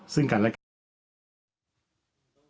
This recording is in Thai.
ซึ่งการแลกมีโอกาสที่จะพอ